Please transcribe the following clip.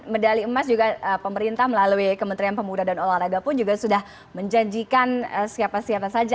medali emas juga pemerintah melalui kementerian pemuda dan olahraga pun juga sudah menjanjikan siapa siapa saja